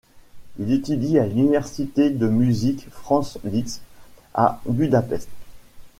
Il étudie à l'Université de musique Franz-Liszt à Budapest.